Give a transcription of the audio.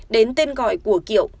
đến tên gọi của kiệu